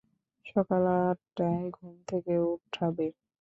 সকাল আট টায় ঘুম থেকে উঠাবে।